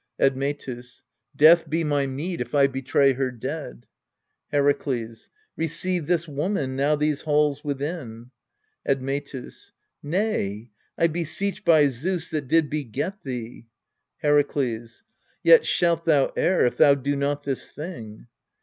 Admetus. Death be my meed, if I betray her dead. Herakles. Receive this woman now these halls within. Admetus. Nay ! I beseech by Zeus that did beget thee! Herakles. Yet shalt thou err if thou do not this thing.